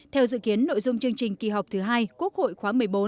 theo dự kiến nội dung chương trình kỳ họp thứ hai quốc hội khóa một mươi bốn